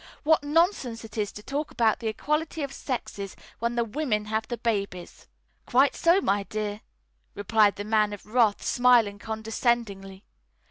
What nonsense it is to talk about the equality of the sexes when the women have the babies!" "Quite so, my dear," replied the Man of Wrath, smiling condescendingly.